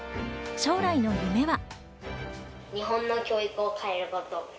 将来の夢は？